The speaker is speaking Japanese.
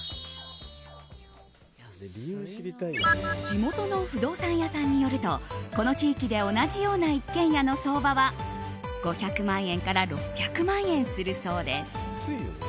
地元の不動産屋さんによるとこの地域で同じような一軒家の相場は５００万円から６００万円するそうです。